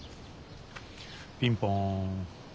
ピンポン。